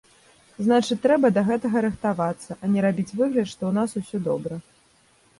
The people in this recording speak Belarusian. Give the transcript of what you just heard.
Значыць трэба да гэтага рыхтавацца, а не рабіць выгляд, што ў нас усё добра.